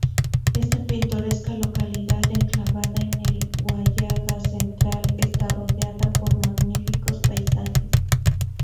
Esta pintoresca localidad enclavada en el Huallaga Central, está rodeada por magníficos paisajes.